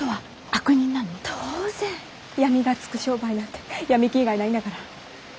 「闇」がつく商売なんて闇金以外ないんだから。